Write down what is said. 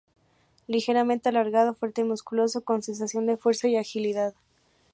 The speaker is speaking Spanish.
Ligeramente alargado, fuerte, musculoso, con sensación de fuerza y agilidad.